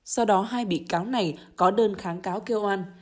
sau đó hai bị cáo này có đơn kháng cáo kêu an